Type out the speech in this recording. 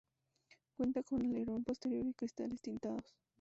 Cuenta con alerón posterior y cristales tintados.